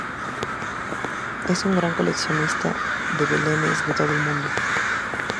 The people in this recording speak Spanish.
Es un gran coleccionista de belenes de todo el mundo.